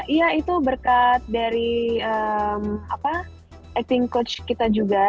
iya itu berkat dari acting coach kita juga